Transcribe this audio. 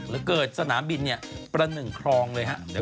แล้วก็เกิดสนามบินประหนึ่งครองเลยครับ